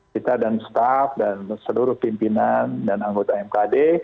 kita dan staff dan seluruh pimpinan dan anggota mkd